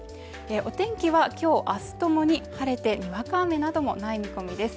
お天気はきょうあすともに晴れてにわか雨などもない見込みです